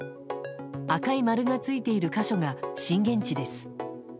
赤い丸がついている箇所が震源地です。